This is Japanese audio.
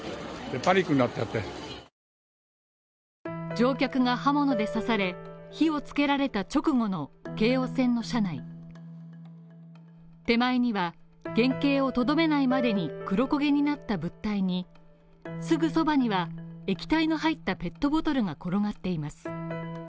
乗客が刃物で刺され、火をつけられた直後の京王線の車内手前には、原形をとどめないまでに黒焦げになった物体に、すぐそばには液体の入ったペットボトルが転がっています